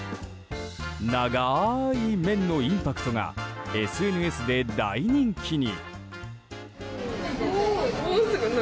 長い麺のインパクトがＳＮＳで大人気に。